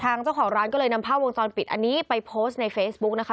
ทางเจ้าของร้านก็เลยนำภาพวงจรปิดอันนี้ไปโพสต์ในเฟซบุ๊กนะคะ